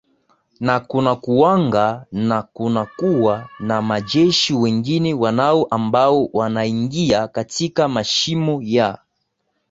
na kunakuwanga na kunakuwa na majeshi wengine wanao ambao wanaingia katika mashimo ya